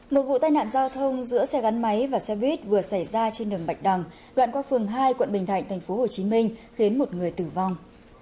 một vụ tai nạn giao thông giữa xe gắn máy và xe buýt vừa xảy ra trên đường bạch đằng đoạn qua phường hai quận bình thạnh tp hcm khiến một người tử vong